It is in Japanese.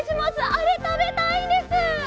あれたべたいんです！